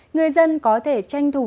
người dân có thể tranh thủ